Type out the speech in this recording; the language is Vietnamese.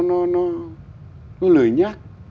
nó lười nhát